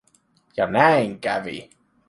Ja näin kävi.